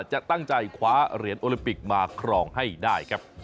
จะตั้งใจคว้าเหรียญโอลิมปิกมาครองให้ได้ครับ